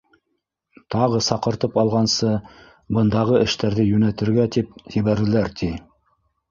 Тағы саҡыртып алғансы, бындағы эштәрҙе йүнәтергә тип ебәрҙеләр, ти.